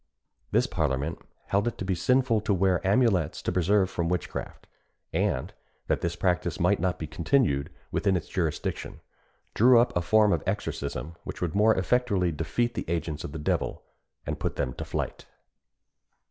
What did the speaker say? This parliament held it to be sinful to wear amulets to preserve from witchcraft; and that this practice might not be continued within its jurisdiction, drew up a form of exorcism, which would more effectually defeat the agents of the devil, and put them to flight.